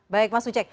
baik mas ucek